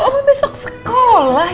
oma besok sekolah